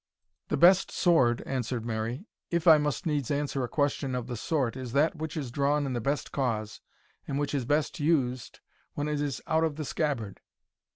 "The best sword," answered Mary, "if I must needs answer a question of the sort, is that which is drawn in the best cause, and which is best used when it is out of the scabbard."